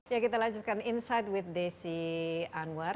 ya kita lanjutkan insight with desi anwar